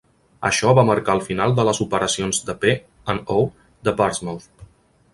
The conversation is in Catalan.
Això va marcar el final de les operacions de P and O de Portsmouth.